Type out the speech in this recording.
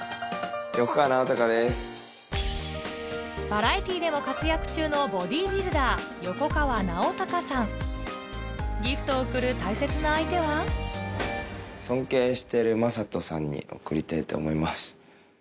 バラエティーでも活躍中のギフトを贈る大切な相手は尊敬してる魔裟斗さんに贈りたいと思います。